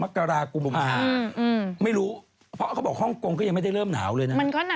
ก็ไล่ออกแล้วเขาบอกว่าไม่ได้บอกเลย